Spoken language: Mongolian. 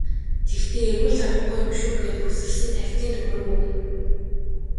Тэгэхдээ эргүүлж авахгүй юм шүү гээд бүсэлсэн тавьтын төгрөг өгөв.